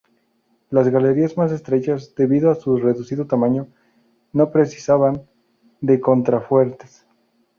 Las galerías más estrechas, debido a su reducido tamaño, no precisaban de contrafuertes.